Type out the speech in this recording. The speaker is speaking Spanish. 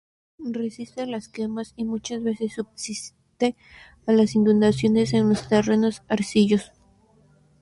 Resiste las quemas y muchas veces subsiste a las inundaciones en los terrenos arcillosos.